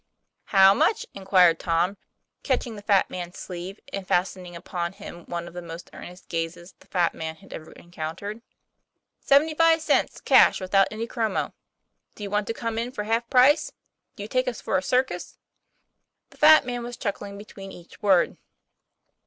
" How much ?" inquired Tom, catching the fat man's sleeve, and fastening upon him one of the most earnest gazes the fat man had ever encountered. ' Seventy five cents cash without any chromo. Do you want to come in for half price ? Do you take us for a circus ?' The fat man was chuckling be tween each word.